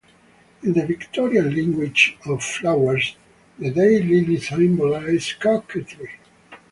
In the Victorian language of flowers, the day lily symbolizes coquetry.